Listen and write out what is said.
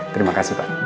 terima kasih pak